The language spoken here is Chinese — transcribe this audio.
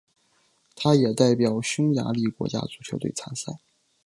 他也代表匈牙利国家足球队参赛。